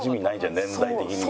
年代的にも。